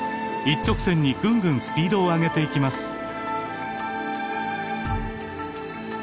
一直線にぐんぐんスピードを上げていきます。